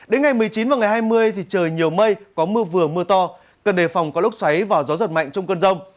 đến ngày một mươi chín hai mươi trời nhiều mây có mưa vừa mưa to cần đề phòng có lúc xoáy và gió giật mạnh trong cơn rông